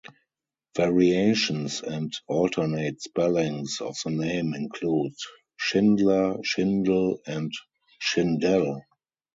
Variations and alternate spellings of the name include: Shindler, Schindel, and Schindelle.